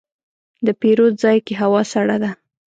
د پیرود ځای کې هوا سړه ده.